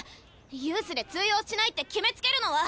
ユースで通用しないって決めつけるのは。